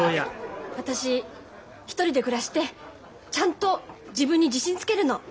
私一人で暮らしてちゃんと自分に自信つけるの。